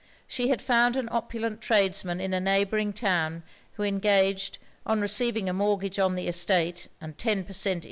She had found an opulent tradesman in a neighbouring town, who engaged, on receiving a mortgage on the estate, and ten per cent.